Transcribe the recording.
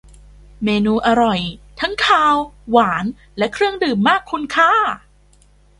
เมนูอร่อยทั้งคาว หวาน และเครื่องดื่ม มากคุณค่า